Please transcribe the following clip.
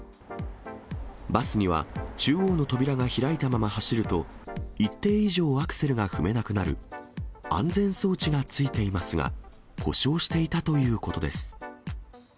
バスには中央の扉が開いたまま走ると、一定以上、アクセルが踏めなくなる安全装置がついていますが、故障していたということです。